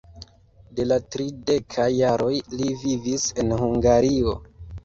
De la tridekaj jaroj li vivis en Hungario.